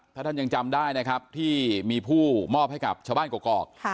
ถ้าท่านยังจำได้นะครับที่มีผู้มอบให้กับชาวบ้านกรอก